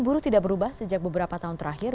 buruh tidak berubah sejak beberapa tahun terakhir